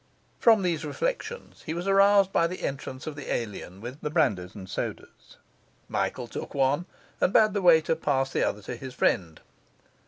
From these reflections he was aroused by the entrance of the alien with the brandies and sodas. Michael took one and bade the waiter pass the other to his friend.